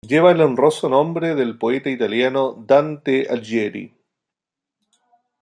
Lleva el honroso nombre del poeta italiano Dante Alighieri.